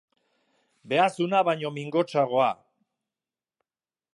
Behazuna baino mingotsagoa.